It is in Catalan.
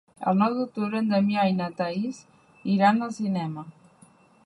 El nou d'octubre en Damià i na Thaís iran al cinema.